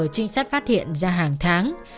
trinh sát phát hiện ra hàng tháng